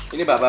ini bapak bapak